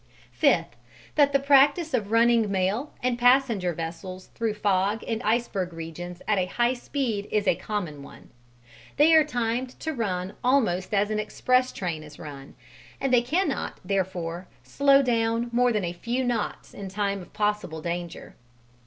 Fifth, that the practice of running mail and passenger vessels through fog and iceberg regions at a high speed is a common one; they are timed to run almost as an express train is run, and they cannot, therefore, slow down more than a few knots in time of possible danger.